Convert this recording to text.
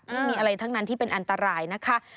ไม่มีอะไรทั้งนั้นที่เป็นอันตรายนะคะ